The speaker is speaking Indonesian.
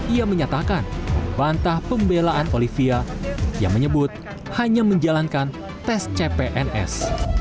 ia menyatakan bantah pembelaan olivia yang menyebut hanya menjalankan tes cpns